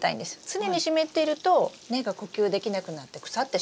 常に湿っていると根が呼吸できなくなって腐ってしまいます。